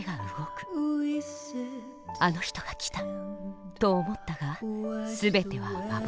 『あの人が来た』と思ったが全ては幻。